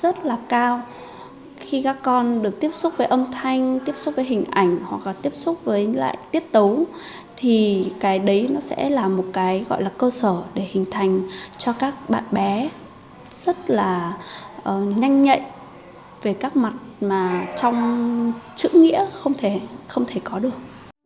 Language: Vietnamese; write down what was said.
rất là cao khi các con được tiếp xúc với âm thanh tiếp xúc với hình ảnh hoặc là tiếp xúc với lại tiết tấu thì cái đấy nó sẽ là một cái gọi là cơ sở để hình thành cho các bạn bé rất là nhanh nhạy về các mặt mà trong chữ nghĩa không thể có được